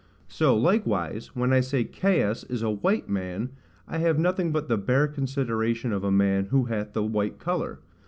So likewise, when I say Caius is a white man, I have nothing but the bare consideration of a man who hath that white colour.